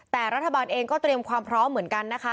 แต่รัฐบาลเองก็เตรียมความพร้อมเหมือนกันนะคะ